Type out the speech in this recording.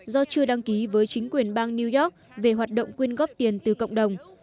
do chưa đăng ký với chính quyền bang new york về hoạt động quyên góp tiền từ cộng đồng